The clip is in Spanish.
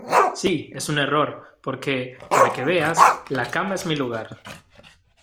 Sí, es un error , porque , para que veas , la cama es mi lugar.